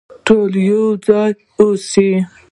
ټول يو ځای اوسئ.